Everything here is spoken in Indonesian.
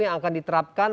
yang akan diterapkan